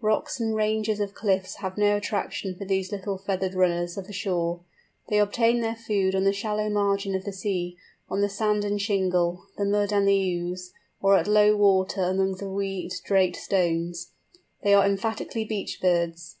Rocks and ranges of cliff have no attraction for these little feathered runners of the shore; they obtain their food on the shallow margin of the sea, on the sand and shingle, the mud and the ooze, or at low water among the weed draped stones. They are emphatically beach birds.